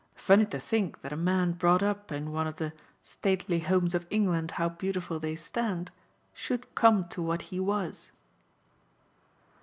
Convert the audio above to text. Funny to think that a man brought up in one of the 'stately homes of England, how beautiful they stand,' should come to what he was."